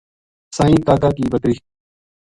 سائیں کاکا کی بکری